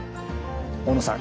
大野さん